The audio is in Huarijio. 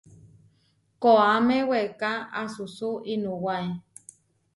Koáme weeká asusú inuwáe.